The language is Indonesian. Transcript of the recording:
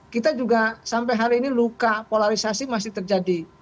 kita juga sampai hari ini luka polarisasi masih terjadi